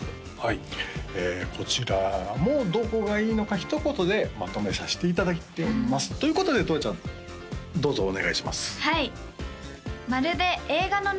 ＤＥＶＡＰｒｏこちらもどこがいいのかひと言でまとめさせていただいておりますということでとわちゃんどうぞお願いします